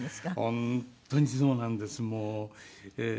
本当にそうなんですもう。